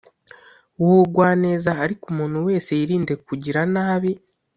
w ubugwaneza ariko umuntu wese yirinde kugira nabi